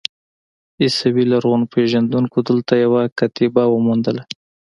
عیسوي لرغونپېژندونکو دلته یوه کتیبه وموندله.